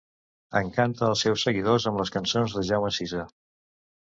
Encanta els seus seguidors amb les cançons de Jaume Sisa.